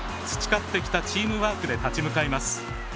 培ってきたチームワークで立ち向かいます。